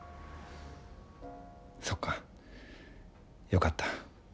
そっかよかった。